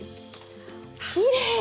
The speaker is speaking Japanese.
きれい！